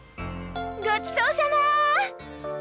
ごちそうさま。